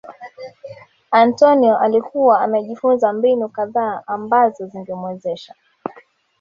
Antonio alikuwa amejifunza mbinu kadhaa ambazo zingemwezesha